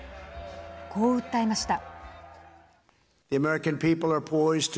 こう訴えました。